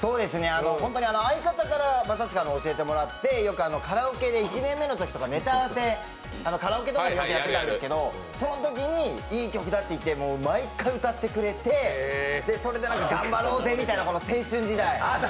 本当に相方から、まさしく教えてもらってよくカラオケで１年目のときとかネタ合わせをカラオケとかでやってたんですけどそのときにいい曲だって言って毎回歌ってくれてそれで頑張ろうぜみたいな青春時台。